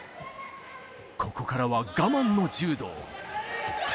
ここからは我慢の柔道。